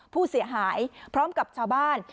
ผู้เสียหายพร้อมกับชาวบ้าน